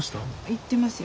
行ってますよ。